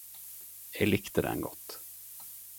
Eg likte den godt.